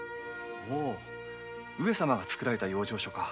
ほう上様がつくられた養生所か。